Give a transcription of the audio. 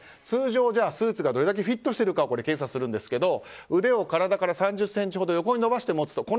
通常、スーツがどれだけフィットしているかを検査するんですが腕を体から３０ｃｍほど横に伸ばして持つと。